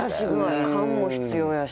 勘も必要やし。